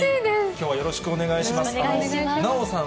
きょうはよろしくお願いしまお願いします。